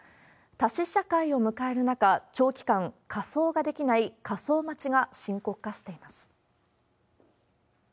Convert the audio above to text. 多死社会を迎える中、長期間、火葬ができない火葬待ちが深刻化しています。